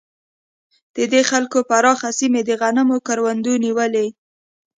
د دې جلګو پراخه سیمې د غنمو کروندو نیولې.